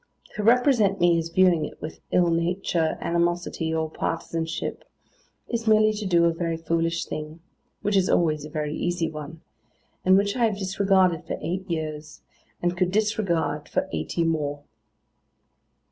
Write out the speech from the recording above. To represent me as viewing it with ill nature, animosity, or partisanship, is merely to do a very foolish thing, which is always a very easy one; and which I have disregarded for eight years, and could disregard for eighty more.